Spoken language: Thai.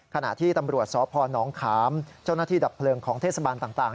ขณะที่ตำรวจสพนขามเจ้าหน้าที่ดับเพลิงของเทศบาลต่าง